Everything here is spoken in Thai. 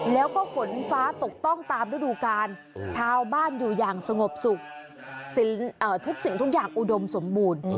แล้วก็ฝนฟ้าตกต้องตามฤดูกาลชาวบ้านอยู่อย่างสงบสุขทุกสิ่งทุกอย่างอุดมสมบูรณ์